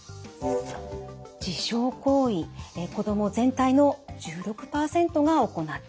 自傷行為子ども全体の１６％が行っていました。